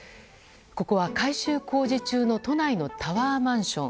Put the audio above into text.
ここは改修工事中の都内のタワーマンション。